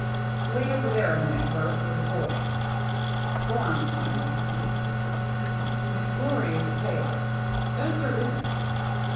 " Wait over there a minute, Bert, with the boys. Go on. Smiley." " McGlory is a sailor ; Spencer isn't.